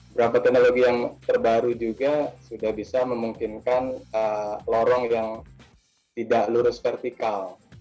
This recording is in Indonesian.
berapa teknologi yang terbaru juga sudah bisa memungkinkan lorong yang tidak lurus vertikal